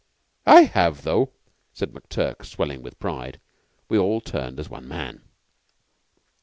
"I have, though," said McTurk, swelling with pride. We all turned as one man.